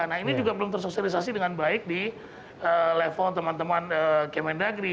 nah ini juga belum tersosialisasi dengan baik di level teman teman kemendagri